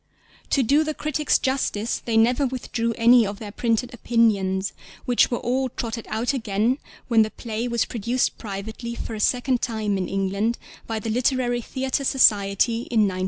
To do the critics justice they never withdrew any of their printed opinions, which were all trotted out again when the play was produced privately for the second time in England by the Literary Theatre Society in 1906.